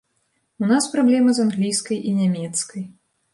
У нас праблема з англійскай і нямецкай.